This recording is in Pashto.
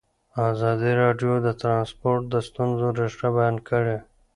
ازادي راډیو د ترانسپورټ د ستونزو رېښه بیان کړې.